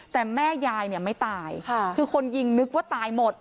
แต่แม่ยายเนี่ยไม่ตายคือคนยิงนึกว่าตายหมด